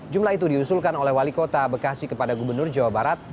jumlah itu diusulkan oleh wali kota bekasi kepada gubernur jawa barat